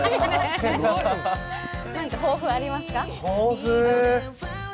何か抱負はありますか？